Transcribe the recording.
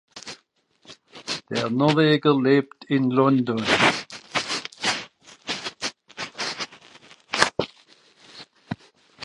Der Norweger lebt in London.